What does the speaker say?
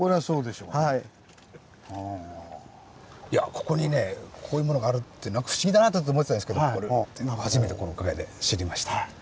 ここにねこういうものがあるってなんか不思議だなとずっと思ってたんですけど初めてこのおかげで知りました。